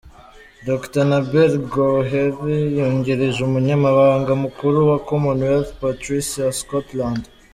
Dr. Nabeel Goheer yungirije Umunyamabanga Mukuru wa Commonwealth, Patricia Scotland.